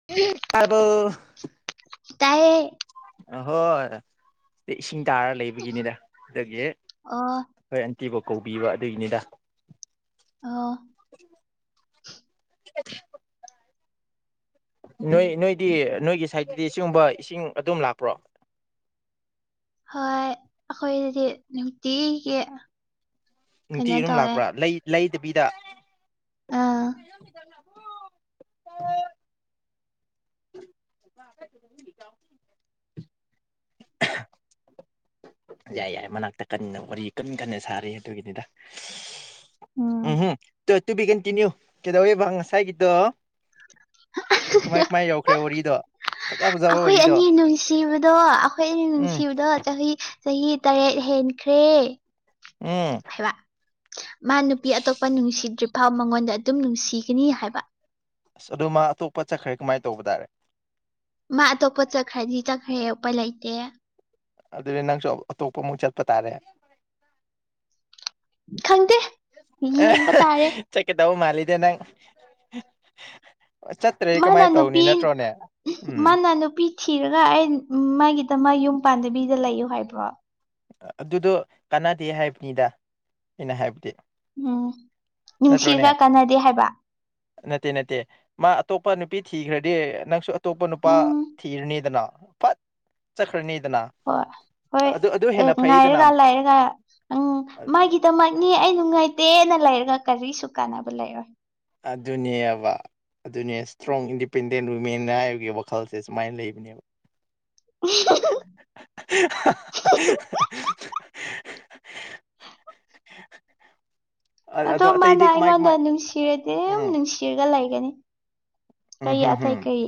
[unintelligible] ꯇꯥꯔꯕꯣ ꯇꯥꯏꯌꯦ ꯑꯍꯣꯏ ꯏꯁꯤꯡ ꯇꯥꯔ ꯂꯩꯕꯒꯤꯅꯤꯗ ꯑꯗꯨꯒꯤ ꯑꯣ ꯈꯣꯏ ꯑꯟꯇꯤꯕꯨ ꯀꯧꯕꯤꯕ ꯑꯗꯨꯒꯤꯅꯤꯗ ꯑꯣ ꯅꯣꯏ ꯅꯣꯏꯗꯤ ꯅꯣꯏꯒꯤ ꯁꯥꯏꯠꯇꯗꯤ ꯁꯤꯒꯨꯝꯕ ꯏꯁꯤꯡ ꯑꯗꯨꯝ ꯂꯥꯛꯄ꯭ꯔꯣ ꯍꯣꯏ ꯑꯩꯈꯣꯏꯗꯗꯤ ꯅꯨꯡꯇꯤꯒꯤ ꯀꯩꯅꯣ ꯅꯨꯡꯇꯤꯒꯤ ꯑꯗꯨꯝ ꯇꯧꯋꯦ ꯂꯥꯛꯄ꯭ꯔꯥ ꯂꯩ ꯂꯩꯗꯕꯤꯗ ꯑꯥ [unintelligible] [inaudible] ꯌꯥꯏ ꯌꯥꯏ ꯃꯅꯥꯛꯇ ꯀꯟꯅ ꯋꯥꯔꯤ ꯀꯟꯅ ꯀꯟꯅ ꯁꯥꯔꯤ ꯑꯗꯨꯒꯤꯅꯤꯗ ꯎꯝ ꯎꯝꯍꯝ ꯇꯨ ꯕꯤ ꯀꯟꯇꯤꯅ꯭ꯌꯨ ꯀꯩꯗꯧꯋꯦꯕ ꯉꯁꯥꯏꯒꯤꯗꯣ [unintelligible] ꯃꯥꯏ ꯌꯧꯈ꯭ꯔꯦ ꯋꯥꯔꯤꯗꯣ ꯐꯖ ꯐꯖꯕ ꯑꯩꯈꯣꯏ ꯋꯥꯔꯤꯗꯣ ꯑꯅꯤ ꯅꯨꯡꯁꯤꯕꯗꯣ ꯑꯩꯈꯣꯏ ꯑꯅꯤ ꯎꯝ ꯅꯨꯡꯁꯤꯕꯗꯣ ꯆꯍꯤ ꯆꯍꯤ ꯇꯔꯦꯠ ꯍꯦꯟꯈ꯭ꯔꯦ ꯎꯝ ꯍꯥꯏꯕ ꯃꯥ ꯅꯨꯄꯤ ꯑꯇꯣꯞꯄ ꯅꯨꯡꯁꯤꯗ꯭ꯔꯤꯐꯥꯎ ꯃꯉꯣꯟꯗ ꯑꯗꯨꯝ ꯅꯨꯡꯁꯤꯒꯅꯤ ꯍꯥꯏꯕ ꯑꯁ ꯑꯗꯣ ꯃꯥ ꯑꯇꯣꯞꯄ ꯆꯠꯈ꯭ꯔ ꯀꯃꯥꯏ ꯇꯧꯕ ꯇꯥꯔꯦ ꯃꯥ ꯑꯇꯣꯞꯄ ꯆꯠꯈ꯭ꯔꯗꯤ ꯆꯠꯈ꯭ꯔꯦ ꯎꯄꯥꯏ ꯂꯩꯇꯦ ꯑꯗꯨꯗꯤ ꯅꯪꯁꯨ ꯑꯇꯣꯞꯄ ꯑꯃꯨꯛ ꯆꯠꯄ ꯇꯥꯔꯦ ꯈꯪꯗꯦ ꯑ ꯌꯦꯡꯕ ꯇꯥꯔꯦ [unintelligible] ꯆꯀꯗꯧꯕ ꯃꯥꯂꯤꯗ ꯅꯪ ꯆꯠꯇ꯭ꯔꯗꯤ ꯃꯥꯅ ꯀꯃꯥꯏꯅ ꯇꯧꯅꯤ ꯅꯨꯄꯤ ꯅꯠꯇ꯭ꯔꯣꯅꯦ ꯎꯝ ꯃꯥꯅ ꯅꯨꯄꯤ ꯊꯤꯔꯒ ꯑꯩ ꯃꯥꯒꯤꯗꯃꯛ ꯌꯨꯝ ꯄꯥꯟꯗꯕꯤꯗ ꯂꯩꯌꯨ ꯍꯥꯏꯕ꯭ꯔꯣ ꯑꯗꯨꯗꯣ ꯀꯥꯟꯅꯗꯦ ꯍꯥꯏꯕꯅꯤꯗ ꯑꯩꯅ ꯍꯥꯏꯕꯗꯤ ꯎꯝ ꯅꯠꯇ꯭ꯔꯣꯅꯦ ꯅꯨꯡꯁꯤꯔꯒ ꯀꯥꯟꯅꯗꯦ ꯍꯥꯏꯕ ꯅꯠꯇꯦ ꯅꯠꯇꯦ ꯃꯥ ꯑꯇꯣꯞꯄ ꯅꯨꯄꯤ ꯊꯤꯈ꯭ꯔꯗꯤ ꯅꯪꯁꯨ ꯑꯇꯣꯞꯄ ꯅꯨꯄꯥ ꯎꯝ ꯊꯤꯔꯅꯤꯗꯅ ꯐꯠ ꯆꯠꯈ꯭ꯔꯅꯤꯗꯅ ꯍꯣꯏ ꯍꯣꯏ ꯑꯗꯨ ꯑꯗꯨ ꯑꯦ ꯍꯦꯟꯅ ꯐꯩꯗꯅ ꯉꯥꯏꯔꯒ ꯂꯥꯏꯔꯦ ꯑ ꯅꯪ ꯃꯥꯒꯤꯗꯃꯛꯅꯤ ꯑꯩ ꯅꯨꯡꯉꯥꯏꯇꯦꯅ ꯂꯩꯔꯒ ꯀꯔꯤꯁꯨ ꯀꯥꯟꯅꯕ ꯂꯩꯔꯣꯏ ꯑꯗꯨꯅꯦꯕ ꯑꯗꯨꯅꯦ ꯁꯇ꯭ꯔꯣꯡ ꯏꯟꯗꯤꯄꯦꯟꯗꯦꯟ ꯋꯨꯃꯦꯟ ꯍꯥꯏꯕꯒꯤ ꯋꯥꯈꯜꯁꯦ ꯁꯨꯃꯥꯏꯅ ꯂꯩꯕꯅꯦꯕ ꯎꯝꯍꯝꯍꯝ ꯍꯍꯍ ꯑꯗꯣ ꯃꯥꯅ ꯑꯇꯩꯗꯤ ꯀꯃꯥꯏ ꯑꯩꯉꯣꯟꯗ ꯀꯃꯥꯏ ꯅꯤꯡꯅꯨꯡꯁꯤꯔ [unintelligible] ꯎꯝ ꯅꯨꯡꯁꯤꯔꯒ ꯂꯩꯒꯅꯤ ꯎꯝ ꯀꯔꯤ ꯍꯝ ꯑꯇꯩ ꯍꯝ ꯀꯩ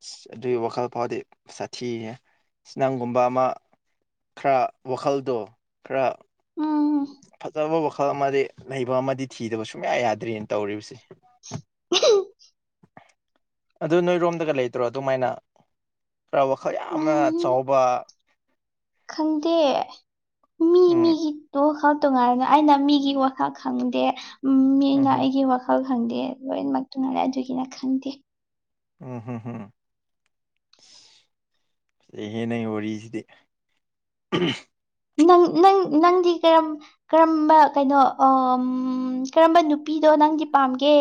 ꯑꯁ ꯑꯗꯨꯏ ꯋꯥꯈꯜ ꯐꯥꯎꯗꯤ ꯁꯥꯊꯤꯍꯦ ꯏꯁ ꯅꯪꯒꯨꯝꯕ ꯑꯃ ꯈꯔ ꯋꯥꯈꯜꯗꯣ ꯈꯔ ꯎꯝ ꯐꯖꯕ ꯋꯥꯈꯜ ꯑꯃꯗꯤ ꯂꯩꯕ ꯑꯃꯗꯤ ꯊꯤꯗꯕ ꯁꯨꯡꯌꯥ ꯌꯥꯗ꯭ꯔꯤꯅ ꯇꯧꯔꯤꯕꯁꯦ [inaudible] ꯑꯗꯨ ꯅꯣꯏꯔꯣꯝꯗꯒ ꯂꯩꯇ꯭ꯔꯣ ꯑꯗꯨꯃꯥꯏꯅ ꯈꯔ ꯋꯥꯈꯜ ꯌꯥꯝꯅ ꯎꯝ ꯆꯥꯎꯕ ꯈꯪꯗꯦ ꯃꯤ ꯎꯝ ꯃꯤꯒꯤ ꯗ‌ꯣ ꯈꯛ ꯇꯣꯉꯥꯟꯅꯅ ꯑꯩꯅ ꯃꯤꯒꯤ ꯋꯥꯈꯜ ꯈꯪꯗꯦ ꯎꯝ ꯃꯤꯅ ꯍꯝ ꯑꯩꯒꯤ ꯋꯥꯈꯜ ꯈꯛ ꯈꯪꯗꯦ ꯂꯣꯏꯅꯃꯛꯇꯨꯅ ꯑꯗꯨꯒꯤꯔ ꯈꯪꯗꯦ ꯎꯝ ꯍꯝ ꯍꯝ ꯐꯖꯩꯍꯦ ꯅꯩ ꯋꯥꯔꯤꯁꯤꯗꯤ ꯅꯪ ꯅꯪ ꯅꯪꯗꯤ ꯀꯔꯝ ꯀꯔꯝꯕ ꯀꯩꯅꯣ ꯑꯎꯝ ꯀꯔꯝꯕ ꯅꯨꯄꯤꯗꯣ ꯅꯪꯗꯤ ꯄꯥꯝꯒꯦ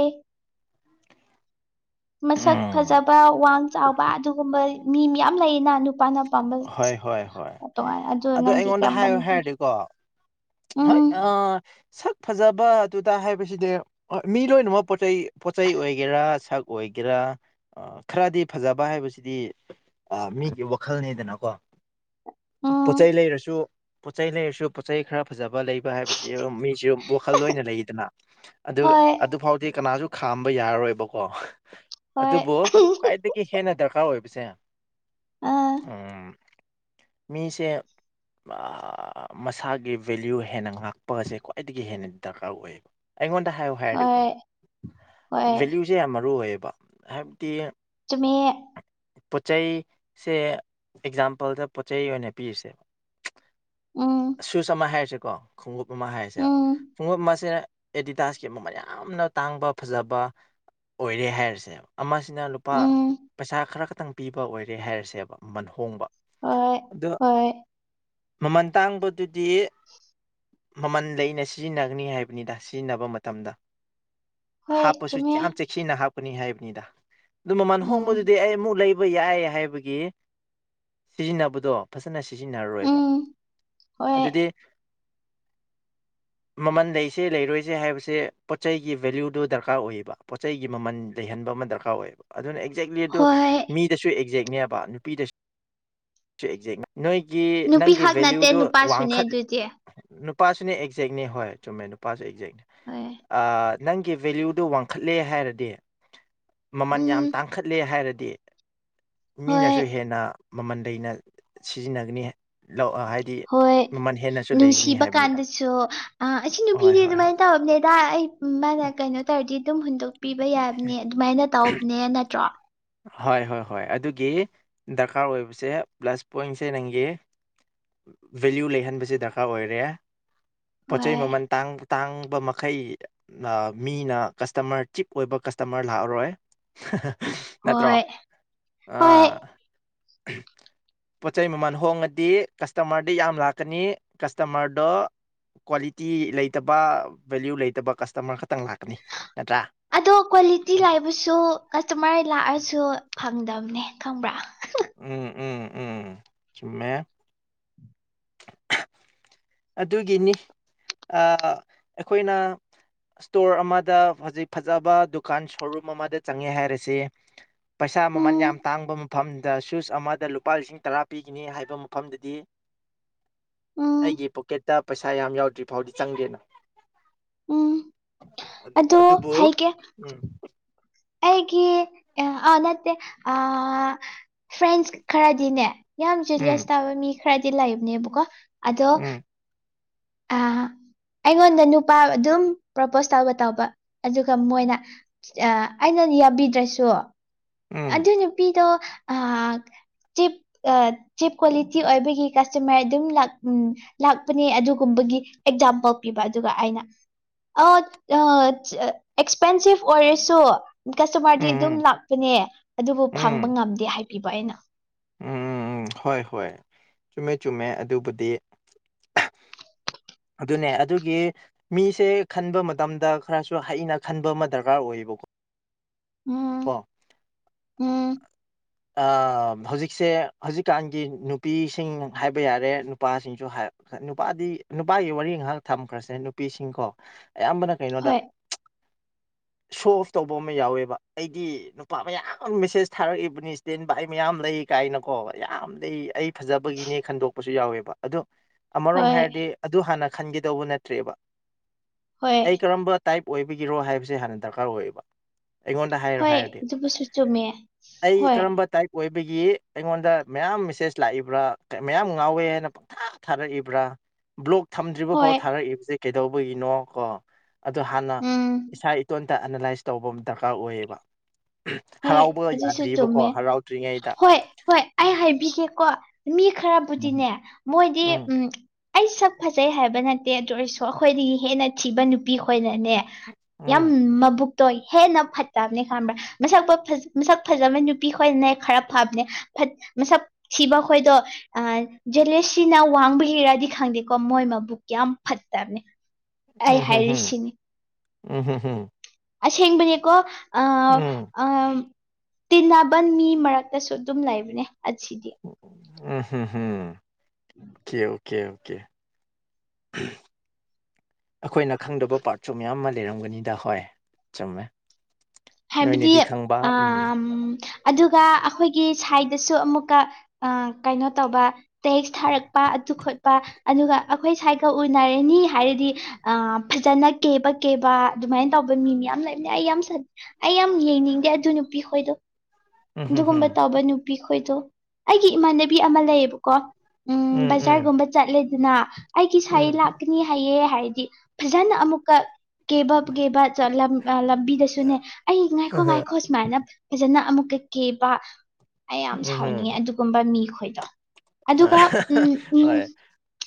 ꯃꯁꯛ ꯎꯝ ꯐꯖꯕ ꯋꯥꯡ ꯆꯥꯎꯕ ꯑꯗꯨꯒꯨꯝꯕ ꯃꯤ ꯃꯌꯥꯝ ꯂꯩꯌꯦꯅ ꯅꯨꯄꯥꯅ ꯄꯥꯝꯕ ꯍꯣꯏ ꯍꯣꯏ ꯍꯣꯏ ꯇꯣꯉꯥꯟ ꯑꯗꯨ ꯅꯪꯗꯤ ꯑꯩꯉꯣꯟꯗ ꯀꯔꯝꯕ ꯍꯥꯏꯌꯨ ꯅꯨꯄꯤ ꯍꯥꯏꯔꯗꯤꯀꯣ ꯍꯣꯏ ꯑ ꯎꯝ ꯁꯛ ꯐꯖꯕ ꯗꯨꯗ ꯍꯥꯏꯕꯁꯤꯗꯤ ꯍ‌ꯣꯏ ꯃꯤ ꯂꯣꯏꯅꯃꯛ ꯄꯣꯠ ꯆꯩꯩ ꯄꯣꯠꯆꯩ ꯑꯣꯏꯒꯦꯔꯥ ꯁꯛ ꯑꯣꯏꯒꯦꯔꯥ ꯑ ꯈꯔꯗꯤ ꯐꯖꯕ ꯍꯥꯏꯕꯁꯤꯗꯤ ꯑ ꯃꯤꯒꯤ ꯋꯥ ꯋꯥꯈꯜꯅꯤꯗꯅꯀꯣ ꯄꯣꯠ ꯆꯩ ꯎꯝ ꯂꯩꯔꯁꯨ ꯄꯣꯠꯆꯩ ꯂꯩꯔꯁꯨ ꯄꯣꯠ ꯆꯩꯩ ꯈꯔ ꯐꯖꯕ ꯂꯩꯕ ꯍꯥꯏꯕꯁꯤ [unintelligible] ꯃꯤꯁꯨ ꯋꯥꯈꯜ ꯂꯣꯏꯅ ꯂꯩꯗꯅ ꯑꯗꯨ ꯍꯣꯏ ꯑꯗꯨ ꯐꯥꯎꯗꯤ ꯀꯅꯥꯁꯨ ꯈꯥꯝꯕ ꯌꯥꯔꯔꯣꯏꯕꯀꯣ ꯍꯣꯏ ꯑꯗꯨꯕꯨ ꯈ꯭ꯋꯥꯏꯗꯒꯤ ꯍꯦꯟꯅ ꯗꯔꯀꯥꯔ ꯑꯣꯏꯕꯁꯦ ꯑꯥ ꯎꯝ ꯃꯤꯁꯦ ꯃꯁꯥꯒꯤ ꯚꯦꯂ꯭ꯌꯨ ꯍꯦꯟꯅ ꯉꯥꯛꯄ ꯑꯁꯦ ꯈ꯭ꯋꯥꯏꯗꯒꯤ ꯍꯦꯟꯅ ꯗꯔꯀꯥꯔ ꯑꯣꯏꯌꯦꯕ ꯑꯩꯉꯣꯟꯗ ꯍꯥꯏꯌꯨ ꯍꯥꯏꯔꯗꯤꯀꯣ ꯍꯣꯏ ꯍꯣꯏ ꯚꯦꯂꯨꯁꯦ ꯌꯥꯝ ꯃꯔꯨ ꯑꯣꯏꯌꯦꯕ ꯍꯥꯏꯕꯗꯤ ꯆꯨꯝꯃꯤ ꯄꯣꯠ ꯆꯩ ꯁꯦ ꯑꯦꯛꯖꯥꯝꯄꯜꯗ ꯄꯣꯠ ꯆꯩ ꯑꯣꯏꯅ ꯄꯤꯔꯁꯦ ꯎꯝ ꯁꯨꯁ ꯑꯃ ꯍꯥꯏꯔꯁꯦꯀꯣ ꯈꯣꯡꯎꯞ ꯑꯃ ꯍꯥꯏꯔꯁꯦ ꯎꯝ ꯈꯨꯡꯎꯞ ꯑꯃꯁꯦ ꯑꯦꯗꯤꯗꯥꯁꯀꯤ ꯃꯃꯜ ꯌꯥꯝꯅ ꯇꯥꯡꯕ ꯐꯖꯕ ꯑꯣꯏꯔꯦ ꯍꯥꯏꯔꯁꯦꯕ ꯑꯃ ꯁꯤꯅ ꯂꯨꯄꯥ ꯎꯝ ꯄꯩꯁꯥ ꯈꯔ ꯈꯛꯇꯪ ꯄꯤꯕ ꯑꯣꯏꯔꯦ ꯍꯥꯏꯔꯁꯦꯕ ꯃꯃꯟ ꯍꯣꯡꯕ ꯍꯣꯏ ꯑꯗꯣ ꯍꯣꯏ ꯃꯃꯜ ꯇꯥꯡꯕꯗꯨꯗꯤ ꯃꯃꯟ ꯂꯩꯅ ꯁꯤꯖꯤꯟꯅꯒꯅꯤ ꯍꯥꯏꯕꯅꯤꯗ ꯁꯤꯖꯤꯟꯅꯕ ꯃꯇꯝꯗ ꯍꯣꯏ ꯍꯥꯞꯄꯁꯨ ꯆꯨꯝꯃꯦ ꯌꯥꯝ ꯆꯦꯛꯁꯤꯟꯅ ꯍꯥꯞꯀꯅꯤ ꯍꯥꯏꯕꯅꯤꯗ ꯑꯗꯨ ꯃꯃꯜ ꯎꯝ ꯍꯣꯡꯕꯗꯨꯗꯤ ꯑꯩ ꯑꯃꯨꯛ ꯂꯩꯕ ꯌꯥꯏ ꯍꯥꯏꯕꯒꯤ ꯁꯤꯖꯤꯟꯅꯕꯗꯣ ꯐꯖꯅ ꯁꯤꯖꯤꯟꯅꯔꯣꯏꯕ ꯎꯝ ꯍꯣꯏ ꯑꯗꯨꯗꯤ [inaudible] ꯃꯃꯟ ꯂꯩꯁꯦ ꯂꯩꯔꯣꯏꯁꯦ ꯍꯥꯏꯕꯁꯦ ꯄꯣꯠ ꯆꯩꯩꯒꯤ ꯚꯦꯂꯨꯗꯨ ꯗꯔꯀꯥꯔ ꯑꯣꯏꯌꯦꯕ ꯄꯣꯠꯆꯩꯒꯤ ꯃꯃꯜ ꯂꯩꯍꯟꯕ ꯑꯃ ꯗꯔꯀꯥꯔ ꯑꯣꯏꯌꯦꯕ ꯑꯗꯨꯅ ꯑꯦꯛꯖꯦꯛꯂꯤ ꯑꯗꯨ ꯍꯣꯏ ꯃꯤꯗꯁꯨ ꯑꯦꯛꯖꯦꯛꯅꯦꯕ ꯅꯨꯄꯤꯗꯁꯨ ꯑꯦꯛꯖꯦꯛꯅꯦ ꯅꯣꯏ ꯒꯤ ꯅꯨꯄꯤ ꯅꯪꯒꯤ ꯈꯛ ꯅꯠꯇꯦ ꯚꯦꯂ꯭ꯌꯨꯗꯣ ꯅꯨꯄꯥꯁꯨꯅꯦ ꯋꯥꯡꯈꯠ ꯑꯗꯨꯗꯤ ꯅꯨꯄꯥꯁꯨꯅꯦ ꯑꯦꯛꯖꯦꯛꯅꯤ ꯍꯣꯏ ꯆꯨꯝꯃꯦ ꯅꯨꯄꯥꯁꯨ ꯑꯦꯛꯖꯦꯛꯅꯦ ꯍꯣꯏ ꯑꯥ ꯅꯪꯒꯤ ꯚꯦꯂ꯭ꯌꯨꯗꯣ ꯋꯥꯡꯈꯠꯂꯦ ꯍꯥꯏꯔꯗꯤ ꯃꯃꯜ ꯌꯥꯝ ꯎꯝ ꯇꯥꯡ ꯈꯠꯂꯦ ꯍꯥꯏꯔꯗꯤ ꯍꯣꯏ ꯃꯤꯅꯁꯨ ꯍꯦꯟꯅ ꯃꯃꯟꯂꯩꯅ ꯁꯤꯖꯤꯟꯅꯒꯅꯤ ꯂꯧ ꯍꯥꯏ ꯍꯣꯏ ꯅꯨꯡꯁꯤꯕ ꯀꯥꯟꯗꯁꯨ ꯑ ꯑꯁꯤ ꯍꯣꯏ ꯍꯣꯏ ꯅꯨꯄꯤꯗꯤ ꯍꯣꯏ ꯑꯗꯨꯃꯥꯏ ꯇꯧꯔꯝꯅꯦꯗꯥ ꯑꯩ ꯎꯝ ꯃꯥꯅ ꯀꯩꯅꯣ ꯇꯧꯔꯗꯤ ꯑꯗꯨꯝ ꯍꯨꯟꯗꯣꯛꯄꯤꯕ ꯌꯥꯕꯅꯦ ꯑꯗꯨꯃꯥꯏꯅ ꯇꯧꯕꯅꯦ ꯅꯠꯇ꯭ꯔꯣ ꯍꯣꯏ ꯍꯣꯏ ꯍꯣꯏ ꯑꯗꯨꯒꯤ ꯗꯔꯀꯥꯔ ꯑꯣꯏꯕꯁꯦ ꯄ꯭ꯂꯁ ꯄꯣꯏꯠꯁꯦ ꯅꯪꯒꯤ ꯚꯦꯂ꯭ꯌꯨ ꯂꯩꯍꯟꯕꯁꯦ ꯗꯔꯀꯥꯔ ꯑꯣꯏꯔꯦ ꯄꯣꯠ ꯆꯩꯩ ꯍꯣꯏ ꯃꯃꯜ ꯇꯥꯡ ꯇꯥꯡꯕ ꯃꯈꯩ ꯑꯥ ꯃꯤꯅ ꯀꯁꯇꯃꯔ ꯆꯤꯞ ꯑꯣꯏꯕ ꯀꯁꯇꯃꯔ ꯂꯥꯛꯑꯔꯣꯏ ꯍꯥ ꯍꯥ ꯅꯠꯇ꯭ꯔꯣ ꯍꯣꯏ ꯍꯣꯏ ꯑꯥ ꯄꯣꯠ ꯆꯩꯩ ꯃꯃꯜ ꯍꯣꯡꯉꯗꯤ ꯀꯁꯇꯃꯔꯗꯤ ꯌꯥꯝ ꯂꯥꯛꯀꯅꯤ ꯀꯁꯇꯃꯔꯗꯣ ꯀ꯭ꯋꯥꯂꯤꯇꯤ ꯂꯩꯇꯕ ꯚꯦꯂ꯭ꯌꯨ ꯂꯩꯇꯕ ꯀꯁꯇꯃꯔ ꯈꯛꯇꯪ ꯂꯥꯛꯀꯅꯤ ꯅꯠꯇ꯭ꯔꯥ ꯑꯗꯣ ꯀ꯭ꯋꯥꯂꯤꯇꯤ ꯂꯩꯕꯁꯨ ꯀꯁꯇꯃꯔ ꯂꯥꯛꯑꯁꯨ ꯐꯪꯗꯕꯅꯦ ꯈꯪꯕ꯭ꯔꯥ ꯎꯝ ꯎꯝ ꯎꯝ ꯆꯨꯝꯃꯦ ꯑꯗꯨꯒꯤꯅꯤ ꯑꯥ ꯑꯩꯈꯣꯏꯅ ꯏꯁꯇꯣꯔ ꯑꯃꯗ ꯍꯧꯖꯤꯛ ꯐꯖꯕ ꯗꯨꯀꯥꯟ ꯁꯣꯔꯨꯝ ꯑꯃꯗ ꯆꯪꯉꯦ ꯍꯥꯏꯔꯁꯦ ꯄꯩꯁꯥ ꯃꯃꯟ ꯎꯝ ꯌꯥꯝ ꯇꯥꯡꯕ ꯃꯐꯝꯗ ꯁꯨꯁ ꯑꯃꯗ ꯂꯨꯄꯥ ꯂꯤꯁꯤꯡ ꯇꯔꯥ ꯄꯤꯒꯅꯤ ꯍꯥꯏꯕ ꯃꯐꯝꯗꯗꯤ ꯎꯝ ꯑꯩꯒꯤ ꯄꯣ ꯇ ꯄꯩꯁꯥ ꯌꯥꯝ ꯌꯥꯎꯗ꯭ꯔꯤ ꯐꯥꯎꯗꯤ ꯆꯪꯗꯦꯅ ꯎꯝ ꯑꯥ ꯑꯗꯣ ꯑꯗꯨꯕꯨ ꯍꯥꯏꯒꯦ ꯎꯝ ꯑꯩꯒꯤ ꯑꯥ ꯑꯥ ꯅꯠꯇꯦ ꯐ꯭ꯔꯦꯟꯁ ꯈꯔꯗꯤꯅꯦ ꯌꯥꯝ ꯎꯝ ꯖꯨꯂꯤꯌꯁ ꯇꯥꯕ ꯃꯤ ꯈꯔꯗꯤ ꯂꯩꯕꯅꯦꯕꯀꯣ ꯑꯗꯣ ꯎꯝ ꯑꯥ ꯑꯩꯉꯣꯟꯗ ꯅꯨꯄꯥ ꯑꯗꯨꯝ ꯄ꯭ꯔꯄꯣꯁ ꯇꯧꯕ ꯇꯧꯕ ꯑꯗꯨꯒ ꯃꯣꯏꯅ ꯑꯩꯅ ꯌꯥꯕꯤꯗ꯭ꯔꯁꯨ ꯎꯝ ꯑꯗꯨ ꯅꯨꯄꯤꯗꯣ ꯑꯥꯥꯥ ꯆꯤꯞ ꯆꯤꯞ ꯀ꯭ꯋꯥꯂꯤꯇꯤ ꯑꯣꯏꯕꯒꯤ ꯀꯁꯇꯃꯔ ꯑꯗꯨꯝ ꯂꯥꯛ ꯎꯝ ꯂꯥꯛꯄꯅꯦ ꯑꯗꯨꯒꯨꯝꯕꯒꯤ ꯑꯦꯛꯖꯥꯝꯄꯜ ꯄꯤꯕ ꯑꯗꯨꯒ ꯑꯩꯅ ꯑꯣ ꯑꯥ ꯑꯦꯛꯁꯄꯦꯟꯁꯤꯞ ꯑꯣꯏꯔꯁꯨ ꯀꯁꯇꯃꯔꯗꯤ ꯎꯝ ꯑꯗꯨꯝ ꯂꯥꯛꯄꯅꯦ ꯑꯗꯨꯕꯨ ꯎꯝ ꯐꯪꯕ ꯉꯝꯗꯦ ꯍꯥꯏꯕꯤꯕ ꯑꯩꯅ ꯎꯝ ꯍꯣꯏ ꯍꯣꯏ ꯆꯨꯝꯃꯦ ꯆꯨꯝꯃꯦ ꯑꯗꯨꯕꯨꯗꯤ ꯑꯗꯨꯅꯦ ꯑꯗꯨꯒꯤ ꯃꯤꯁꯦ ꯈꯟꯕ ꯃꯇꯝꯗ ꯈꯔꯁꯨ ꯍꯩꯅ ꯈꯟꯕ ꯑꯃ ꯗꯔꯀꯥꯔ ꯑꯣꯏꯌꯦꯕꯀꯣ ꯎꯝ ꯀꯣ ꯎꯝ ꯑꯥ ꯍꯧꯖꯤꯛꯁꯦ ꯍꯧꯖꯤꯛꯀꯥꯟꯒꯤ ꯅꯨꯄꯤꯁꯤꯡ ꯍꯥꯏꯕ ꯌꯥꯔꯦ ꯅꯨꯄꯥꯁꯤꯡꯁꯨ ꯍꯥꯢ ꯈꯠ ꯅꯨꯄꯥꯗꯤ ꯅꯨꯄꯥꯒꯤ ꯋꯥꯔꯤ ꯉꯍꯥꯛ ꯊꯝꯈ꯭ꯔꯁꯦ ꯅꯨꯄꯤꯁꯤꯡꯀꯣ ꯑꯌꯥꯝꯕꯅ ꯀꯩꯅꯣꯗ ꯍꯣꯏ [unintelligible] ꯁꯣ ꯑꯣꯐ ꯇꯧꯕ ꯑꯃ ꯌꯥꯎꯋꯦꯕ ꯑꯩꯗꯤ ꯅꯨꯄꯥ ꯃꯌꯥꯝ ꯑꯝ ꯃꯦꯁꯦꯁ ꯊꯥꯔꯛꯏꯕꯅꯤ ꯇꯦꯟ ꯕꯥꯏ ꯃꯌꯥꯝ ꯂꯩ ꯀꯥꯏꯅꯀꯣ ꯌꯥꯝ ꯂꯩ ꯑꯩ ꯐꯖꯕꯒꯤꯅꯦ ꯈꯟꯗꯣꯛꯄꯁꯨ ꯌꯥꯎꯋꯦꯕ ꯑꯗꯨ ꯑꯃꯔꯣꯝ ꯍꯣꯏ ꯍꯥꯏꯔꯗꯤ ꯑꯗꯨ ꯍꯥꯟꯅ ꯈꯟꯒꯦꯗꯧꯕ ꯅꯠꯇ꯭ꯔꯦꯕ ꯍꯣꯏ ꯑꯩ ꯀꯔꯝꯕ ꯇꯥꯏꯞ ꯑꯣꯏꯕꯒꯤꯔꯣ ꯍꯥꯏꯕꯁꯦ ꯍꯥꯟꯅ ꯗꯔꯀꯥꯔ ꯑꯣꯏꯌꯦꯕ ꯑꯩꯉꯣꯟꯗ ꯍꯥꯏꯔꯣ ꯍꯣꯏ ꯍꯥꯏꯔꯗꯤ ꯑꯗꯨꯕꯨꯁꯨ ꯆꯨꯝꯃꯦ ꯑꯩ ꯍꯣꯏ ꯇꯥꯢꯞ ꯑꯣꯏꯕꯒꯤ ꯑꯩꯉꯣꯟꯗ ꯃꯌꯥꯝ ꯃꯦꯁꯦꯖ ꯂꯥꯛꯏꯕ꯭ꯔꯥ ꯃꯌꯥꯝ ꯉꯥꯎꯋꯦ ꯍꯥꯏꯅ ꯥ [unintelligible] ꯊꯥꯔꯛꯏꯕ꯭ꯔꯥ ꯕ꯭ꯂꯣꯛ ꯊꯝꯗ꯭ꯔꯤꯕ ꯐꯥꯎ ꯍꯣꯏ ꯊꯥꯔꯛꯏꯕꯁꯦ ꯀꯩꯗꯧꯕꯒꯤꯅꯣ ꯀꯣ ꯑꯗꯣ ꯍꯥꯟꯅ ꯎꯝ ꯏꯁꯥ ꯏꯇꯣꯟꯇ ꯑꯦꯅꯥꯂꯥꯏꯁ ꯇꯧꯕ ꯑꯝ ꯗꯔꯀꯥꯔ ꯑꯣꯏꯌꯦꯕ [unintelligible] ꯍꯣꯏ ꯍꯔꯥꯎꯕꯒ ꯑꯗꯨꯁꯨ ꯆꯨꯝꯃꯦ ꯌꯥꯗ꯭ꯔꯤꯕꯀꯣ ꯍꯔꯥꯎꯗ꯭ꯔꯤꯉꯩꯗ ꯍꯣꯏ ꯍꯣꯏ ꯑꯩ ꯍꯥꯏꯕꯤꯒꯦꯀꯣ ꯃꯤ ꯎꯝ ꯈꯔꯕꯨꯗꯤꯅꯦ ꯃꯣꯏꯗꯤ ꯎꯝ ꯑꯩ ꯁꯛ ꯐꯖꯩ ꯍꯥꯏꯕ ꯅꯠꯇꯦ ꯑꯗꯨ ꯑꯣꯏꯔꯁꯨ ꯑꯩꯈꯣꯏꯗꯒꯤ ꯍꯦꯟꯅ ꯊꯤꯕ ꯅꯨꯄꯤ ꯈꯣꯏꯅꯅꯦ ꯌꯥꯝ ꯎꯝ ꯃꯕꯨꯛꯇꯣ ꯍꯦꯟꯅ ꯐꯠꯇꯕꯅꯦ ꯈꯪꯕ꯭ꯔꯥ ꯃꯁꯛꯄ ꯐꯖ ꯃꯁꯛ ꯐꯖꯕ ꯅꯨꯄꯤ ꯈꯣꯏꯅꯅꯦ ꯈꯔ ꯐꯕꯅꯦ ꯐꯠ ꯃꯁꯛ ꯊꯤꯕ ꯈꯣꯏꯗꯣ ꯑ ꯖꯦꯂꯦꯁꯁꯤꯅ ꯋꯥꯡꯕꯒꯤꯔꯗꯤ ꯈꯪꯗꯦꯀꯣ ꯃꯣꯏ ꯃꯕꯨꯛ ꯌꯥꯝ ꯐꯠꯇꯝꯅꯦ ꯎꯝ ꯍꯝ ꯍꯝ ꯎꯝ ꯍꯝ ꯍꯝ ꯑꯁꯦꯡꯕꯅꯦꯀꯣ ꯑ ꯎꯝ ꯑꯝ ꯇꯤꯟꯅꯕꯟ ꯃꯤ ꯃꯔꯛꯇꯁꯨ ꯑꯗꯨꯝ ꯂꯩꯕꯅꯦ ꯑꯁꯤꯗꯤ ꯎꯝ ꯍꯝ ꯍꯝ ꯑꯣꯀꯦ ꯑꯣꯀꯦ ꯑꯣꯀꯦ [unintelligible] ꯑꯈꯣꯏꯅ ꯈꯪꯗꯕ ꯄꯥꯔꯠꯁꯨ ꯃꯌꯥꯝ ꯑꯃ ꯂꯩꯔꯝꯒꯅꯤꯗ ꯍꯣꯏ ꯆꯨꯝꯃꯦ ꯍꯥꯏꯕꯗꯤ ꯅꯣꯏꯅꯗꯤ ꯈꯪꯕ ꯎꯝ ꯑꯥꯝ ꯑꯗꯨꯒ ꯑꯈꯣꯏꯒꯤ ꯁꯥꯏꯗꯁꯨ ꯑꯃꯨꯛꯀ ꯑ ꯀꯩꯅꯣ ꯇꯧꯕ ꯇꯦꯛꯁ ꯊꯥꯔꯛꯄ ꯑꯗꯨ ꯈꯣꯠꯄ ꯑꯗꯨꯒ ꯑꯈꯣꯏ ꯁꯥꯏꯒ ꯎꯟꯅꯔꯅꯤ ꯍꯥꯏꯔꯗꯤ ꯑ ꯐꯖꯅ ꯀꯦꯕ ꯀꯦꯕ ꯑꯗꯨꯃꯥꯏꯟ ꯇꯧꯕ ꯃꯤ ꯃꯌꯥꯝ ꯂꯩꯕꯅꯦ ꯑꯩ ꯌꯥꯝ ꯁꯟ ꯑꯩ ꯌꯥꯝ ꯌꯦꯡꯅꯤꯡꯗꯦ ꯑꯗꯨ ꯅꯨꯄꯤ ꯈꯣꯏꯗꯣ ꯎꯝ ꯎꯝ ꯑꯗꯨꯒꯨꯝꯕ ꯇꯧꯕ ꯅꯨꯄꯤ ꯈꯣꯏꯗꯣ ꯑꯩꯒꯤ ꯏꯃꯥꯟꯅꯕꯤ ꯑꯃ ꯂꯩꯌꯦꯕꯀꯣ ꯎꯝ ꯕꯖꯥꯔꯒꯨꯝꯕ ꯆꯠꯂꯦꯗꯅꯥ ꯑꯩꯒꯤ ꯎꯝ ꯁꯥꯏ ꯎꯝ ꯂꯥꯛꯀꯅꯤ ꯍꯥꯏꯌꯦ ꯍꯥꯏꯔꯗꯤ ꯐꯖꯅ ꯑꯃꯨꯛꯀ ꯀꯦꯕ ꯀꯦꯕ ꯆꯠꯂꯝ ꯑ ꯂꯝꯕꯤꯗꯁꯨꯅꯦ ꯑꯩ ꯉꯥꯏꯈꯣ ꯑꯍ ꯉꯥꯏꯈꯣ ꯁꯨꯃꯥꯏꯅ ꯐꯖꯅ ꯑꯃꯨꯛꯀ ꯀꯦꯕ ꯑꯩ ꯌꯥꯝ ꯎꯝ ꯁꯥꯎꯅꯤꯡꯉꯦ ꯑꯗꯨꯒꯨꯝꯕ ꯃꯤ ꯈꯣꯏꯗꯣ ꯑꯗꯨꯒ ꯎꯝ ꯎꯝ ꯍꯣꯏ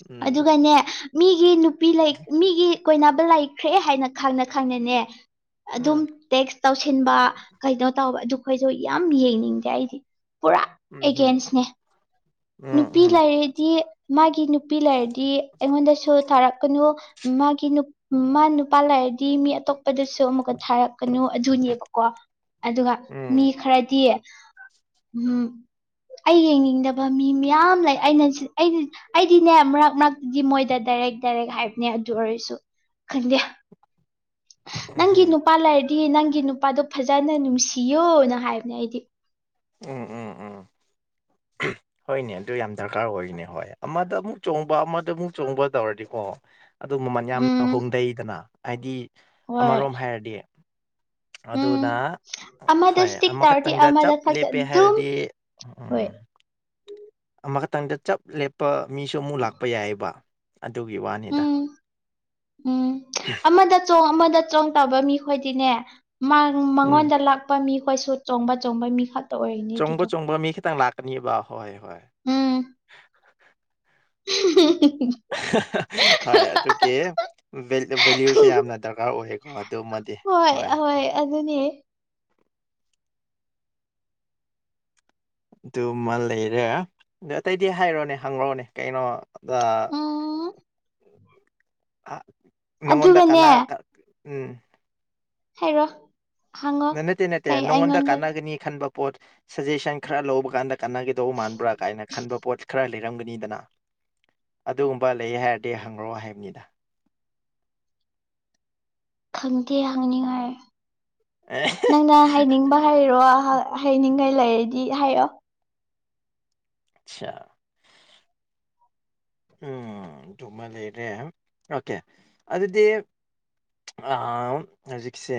ꯎꯝ ꯑꯗꯨꯒꯅꯦ ꯃꯤꯒꯤ ꯅꯨꯄꯤ ꯂꯩ ꯃꯤꯒꯤ ꯀꯣꯏꯅꯕ ꯂꯩꯈ꯭ꯔꯦ ꯍꯥꯏꯅ ꯈꯪꯅ ꯈꯪꯅꯅꯦ ꯑꯗꯨꯝ ꯎꯝ ꯇꯦꯛꯁ ꯇꯧꯁꯤꯟꯕ ꯀꯩꯅꯣ ꯇꯧꯕ ꯑꯗꯨꯈꯣꯏꯁꯨ ꯌꯥꯝ ꯌꯦꯡꯅꯤꯡꯗꯦ ꯑꯩꯗꯤ ꯄꯨꯔꯥ ꯎꯝ ꯎꯝ ꯑꯦꯒꯦꯟꯁꯅꯦ ꯅꯨꯄꯤ ꯎꯝ ꯂꯩꯔꯗꯤ ꯃꯥꯒꯤ ꯅꯨꯄꯤ ꯂꯩꯔꯗꯤ ꯑꯩꯉꯣꯟꯗꯁꯨ ꯊꯥꯔꯛꯀꯅꯨ ꯃꯥꯒꯤ ꯅꯨꯞ ꯃꯥ ꯅꯨꯄꯥ ꯂꯩꯔ ꯗꯤ ꯃꯤ ꯑꯇꯣꯞꯄꯗꯁꯨ ꯑꯃꯨꯛꯀ ꯊꯥꯔꯛꯀꯅꯨ ꯑꯗꯨꯅꯦꯕꯀꯣ ꯑꯗꯨꯒ ꯃꯤ ꯎꯝ ꯈꯔꯗꯤ ꯎꯝ ꯑꯩ ꯌꯦꯡꯅꯤꯡꯗꯞ ꯕ ꯃꯤ ꯃꯌꯥꯝ ꯂꯩ ꯑꯩꯅ ꯑꯩꯗꯤ ꯑꯩꯗꯤꯅꯦ ꯃꯔꯛ ꯃꯔꯛꯇꯨꯗꯤ ꯃꯣꯏꯗ ꯗꯥꯏꯔꯦꯛ ꯗꯥꯏꯔꯦꯛ ꯍꯥꯏꯕꯅꯦ ꯑꯗꯨ ꯑꯣꯏꯔꯁꯨ ꯈꯪꯗꯦ [inaudible] ꯎꯝ ꯅꯪꯒꯤ ꯅꯨꯄꯥ ꯂꯩꯔꯗꯤ ꯅꯪꯒꯤ ꯅꯨꯄꯥꯗꯣ ꯐꯖꯅ ꯅꯨꯡꯁꯤꯌꯨꯅ ꯍꯥꯏꯕꯅꯦ ꯑꯩꯗꯤ ꯎꯝ ꯎꯝ ꯎꯝ [inaudible] ꯍꯣꯏꯅꯦ ꯑꯗꯨ ꯌꯥꯝ ꯗꯔꯀꯥꯔ ꯑꯣꯏꯅꯦ ꯍꯣꯏ ꯑꯃꯗ ꯑꯃꯨꯛ ꯆꯣꯡꯕ ꯑꯃꯗ ꯑꯃꯨꯛ ꯆꯣꯡꯕ ꯇꯧꯔꯗꯤꯀꯣ ꯑꯗꯨ ꯃꯃꯟ ꯌꯥꯝꯅ ꯎꯝ ꯍꯣꯡꯗꯩꯗꯅ ꯍꯥꯏꯗꯤ ꯍꯣꯏ ꯑꯃꯔꯣꯝ ꯍꯥꯏꯔꯗꯤ ꯑꯗꯨꯅ ꯎꯝ ꯑꯃꯗ ꯍꯣꯏ ꯏꯁꯇꯤꯛ ꯇꯧꯔꯗꯤ ꯑꯃꯈꯛꯇꯪꯗ ꯆꯞ ꯑꯃꯗ ꯈꯛꯇ ꯂꯦꯞꯄꯦ ꯑꯗꯨꯝ ꯍꯥꯏꯔꯗꯤ ꯎꯝ ꯍꯣꯏ ꯑꯃꯈꯛꯇꯪꯗ ꯆꯞ ꯂꯦꯞꯄ ꯃꯤꯁꯨ ꯑꯃꯨꯛ ꯂꯥꯛꯄ ꯌꯥꯏꯌꯦꯕ ꯑꯗꯨꯒꯤ ꯋꯥꯅꯤꯗ ꯍꯨꯝ ꯎꯝ ꯑꯃꯗ ꯆꯣꯡ ꯑꯃꯗ ꯆꯣꯡ ꯇꯧꯕ ꯃꯤꯈꯣꯏꯗꯤꯅꯦ ꯃꯥꯒꯨꯝ ꯎꯝ ꯃꯉꯣꯟꯗ ꯂꯥꯛꯄ ꯃꯤꯈꯣꯏꯁꯨ ꯆꯣꯡꯕ ꯆꯣꯡꯕ ꯃꯤꯈꯛ ꯆꯣꯡꯕ ꯆꯣꯡꯕ ꯃꯤ ꯈꯤꯇꯪ ꯂꯥꯛꯀꯅꯤꯕ ꯍꯣꯏ ꯍꯣꯏ ꯎꯝ [inaudible] ꯍꯣꯏ ꯑꯗꯨꯒꯤ ꯚꯦꯜ ꯚꯦꯂ꯭ꯌꯨꯁꯦ ꯌꯥꯝꯅ ꯗꯔꯀꯥꯔ ꯑꯣꯏꯌꯦ ꯑꯣ ꯑꯗꯨꯃ ꯍꯣꯏ ꯍꯣꯏ ꯑꯗꯨꯅꯤ ꯑꯗꯨꯃ ꯂꯩꯔꯦ ꯑꯗ ꯑꯇꯩꯗꯤ ꯍꯥꯏꯔꯣꯅꯦ ꯍꯪꯂꯣꯅꯦ ꯀꯩꯅꯣ ꯕꯥ ꯎꯝ ꯑ ꯅꯉꯣꯟꯗ ꯑꯗꯨꯒꯅꯦ ꯀꯅꯥ ꯀ ꯎꯝ ꯍꯥꯏꯔꯣ ꯍꯪꯉꯣ ꯅꯠꯇꯦ ꯅꯠꯇꯦ ꯀꯩ ꯅꯪꯉꯣꯟꯗ ꯑꯩꯉꯣꯟꯗ ꯀꯥꯟꯅꯒꯅꯤ ꯈꯟꯕ ꯄꯣꯠ ꯁꯖꯦꯁꯟ ꯈꯔ ꯂꯧꯕ ꯀꯥꯟꯗ ꯀꯅꯒꯗꯧꯕ ꯃꯥꯟꯕ꯭ꯔꯥ ꯀꯥꯏꯅ ꯈꯟꯕ ꯄꯣꯠ ꯈꯔ ꯂꯩꯔꯝꯒꯅꯤꯗꯅ ꯑꯗꯨꯒꯨꯝꯕ ꯂꯩꯌꯦ ꯍꯥꯏꯔꯗꯤ ꯍꯪꯔꯣ ꯍꯥꯏꯕꯅꯤꯗ ꯈꯪꯗꯦ ꯍꯪꯅꯤꯡꯉꯥꯏ ꯑꯦ ꯅꯪꯅ ꯍꯥꯏꯅꯤꯡꯕ ꯍꯥꯏꯔꯣ ꯍꯥ ꯍꯥꯏꯅꯤꯡꯉꯥꯏ ꯂꯩꯔꯗꯤ ꯍꯥꯏꯌꯣ ꯑꯆꯥ ꯎꯝ ꯗꯨꯃ ꯂꯩꯔꯦ ꯑꯣꯀꯦ ꯑꯗꯨꯗꯤ ꯑꯥꯝ ꯍꯧꯖꯤꯛꯁꯦ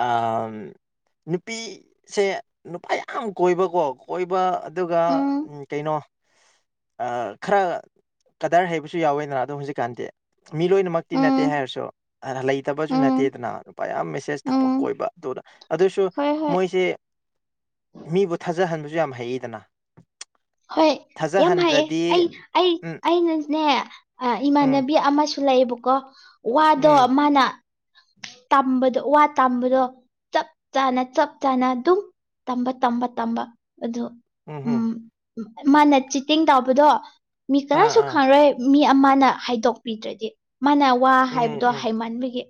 ꯑꯥꯝ ꯅꯨꯄꯤ ꯁꯦ ꯅꯨꯄꯥ ꯌꯥꯝ ꯀꯣꯏꯕꯀꯣ ꯀꯣꯏꯕ ꯑꯗꯨꯒ ꯎꯝ ꯀꯩꯅꯣ ꯑꯥ ꯈꯔ ꯀꯗꯔ ꯍꯩꯕꯁꯨ ꯌꯥꯎꯋꯦꯅ ꯑꯗꯨ ꯍꯧꯖꯤꯛꯀꯥꯟꯗꯤ ꯃꯤ ꯂꯣꯏꯅꯃꯛꯇꯤ ꯅꯠꯇꯦ ꯎꯝ ꯍꯥꯏꯔꯁꯨ ꯑꯗ ꯂꯩꯇꯕꯁꯨ ꯎꯝ ꯅꯠꯇꯦꯗꯅ ꯅꯨꯄꯥ ꯌꯥꯝ ꯊꯕꯛ ꯎꯝ ꯀꯣꯏꯕ ꯑꯗꯨꯗ ꯑꯗꯨꯁꯨ ꯍꯣꯏ ꯍꯣꯏ ꯃꯣꯏꯁꯦ ꯃꯤꯕꯨ ꯊꯥꯖꯍꯟꯕꯁꯨ ꯌꯥꯝ ꯍꯩꯌꯦꯗꯅ ꯍꯣꯏ ꯌꯥꯝ ꯍꯩꯌꯦ ꯊꯥꯖꯍꯟꯗ꯭ꯔꯗꯤ ꯑꯩ ꯑꯩ ꯎꯝ ꯑꯩꯅꯅꯦ ꯑ ꯎꯝ ꯏꯃꯥꯟꯅꯕꯤ ꯑꯃꯁꯨ ꯂꯩꯌꯦꯕꯀꯣ ꯋꯥꯗꯣ ꯎꯝ ꯃꯥꯅ ꯇꯝꯕꯗꯣ ꯋꯥ ꯇꯝꯕꯗꯣ ꯆꯞ ꯆꯥꯅ ꯆꯞ ꯆꯥꯅ ꯗꯨꯝ ꯇꯝꯕ ꯇꯝꯕ ꯇꯝꯕ ꯑꯗꯨ ꯎꯝ ꯍꯨꯝ ꯃꯥꯅ ꯆꯤꯇꯤꯡ ꯇꯧꯕꯗꯣ ꯃꯤ ꯑꯥ ꯀꯅꯥꯁꯨ ꯑꯥ ꯈꯪꯔꯣꯏ ꯃꯤ ꯑꯃꯅ ꯍꯥꯏꯗꯣꯛꯄꯤꯗ꯭ꯔꯗꯤ ꯃꯥꯅ ꯋꯥ ꯎꯝ ꯍꯥꯏꯕꯗꯣ ꯎꯝ ꯍꯩꯃꯟꯕꯒꯤ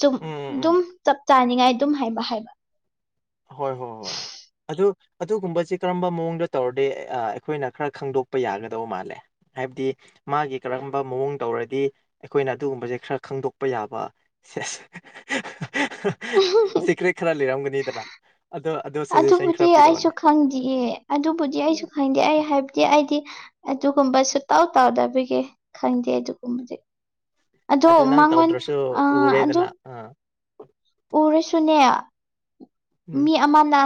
ꯆꯨꯝ ꯎꯝ ꯎꯝ ꯗꯨꯝ ꯎꯝ ꯆꯞ ꯆꯥꯅꯤꯡꯉꯥꯏ ꯗꯨꯝ ꯍꯥꯏꯕ ꯍꯥꯏꯕ ꯍꯣꯏ ꯍꯣꯏ ꯍꯣꯏ ꯑꯗꯨ ꯑꯗꯨꯒꯨꯝꯕꯁꯤ ꯀꯔꯝꯕ ꯃꯑꯣꯡꯗ ꯇꯧꯔꯗꯤ ꯑꯥ ꯑꯩꯈꯣꯏꯅ ꯈꯔ ꯈꯪꯗꯣꯛꯄ ꯌꯥꯒꯗꯧꯕ ꯃꯥꯜꯂꯦ ꯍꯥꯏꯕꯗꯤ ꯃꯥꯒꯤ ꯀꯔꯝꯕ ꯃꯑꯣꯡ ꯇꯧꯔꯗꯤ ꯑꯩꯈꯣꯏꯅ ꯑꯗꯨꯒꯨꯝꯕꯁꯦ ꯈꯔ ꯈꯪꯗꯣꯛꯄ ꯌꯥꯕ ꯁꯤꯀ꯭ꯔꯦꯠ ꯈꯔ ꯂꯩꯔꯝꯒꯅꯤꯗꯅ ꯑꯗꯣ ꯑꯗꯨ ꯑꯗꯨꯕꯨꯗꯤ ꯑꯩꯁꯨ ꯈꯪꯗꯦꯌꯦ ꯑꯗꯨꯕꯨꯗꯤ ꯑꯩꯁꯨ ꯈꯪꯗ ꯑꯩ ꯍꯥꯏꯕꯗꯤ ꯑꯩꯗꯤ ꯑꯗꯨꯒꯨꯝꯕ ꯁꯨꯛꯇꯧ ꯇꯧꯗꯕꯒꯤ ꯈꯪꯗꯦ ꯑꯗꯨꯒꯨꯝꯕꯗꯤ ꯑꯗꯣ ꯑꯗꯨ ꯅꯪ ꯃꯉꯣꯟ ꯇꯧꯗ꯭ꯔꯁꯨ ꯑ ꯑꯗꯨ ꯎꯔꯦꯗꯅ ꯑꯥ ꯎꯔꯁꯨꯅꯦ ꯎꯝ ꯃꯤ ꯑꯃ